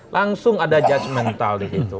langsung ada judgemental di situ